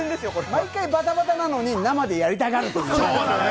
毎回バタバタなのに生でやりたがるというね。